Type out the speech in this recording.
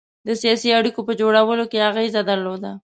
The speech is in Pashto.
د سیاسي اړېکو په جوړولو کې اغېزه درلوده.